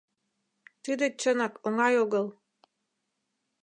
Тиде, чынак, оҥай огыл.